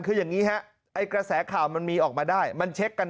คืออย่างนี้ฮะไอ้กระแสข่าวมันมีออกมาได้มันเช็คกัน